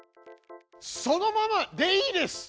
そのままでいいです！